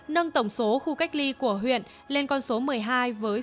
nâng tổng số khu cách ly của huyện lên con số một mươi hai với sức chứa hơn sáu trăm linh người